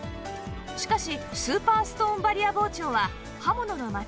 しかしスーパーストーンバリア包丁は刃物の街